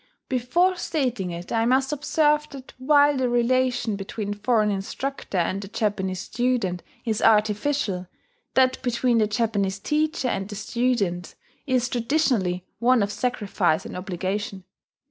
Before stating it I must observe that while the relation between foreign instructor and the Japanese student is artificial, that between the Japanese teacher and the student is traditionally one of sacrifice and obligation.